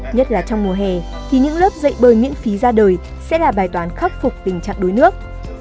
nhất là trong mùa hè thì những lớp dạy bơi miễn phí ra đời sẽ là bài toán khắc phục tình trạng đuối nước